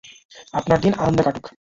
আপনার দিন আনন্দে কাটুক।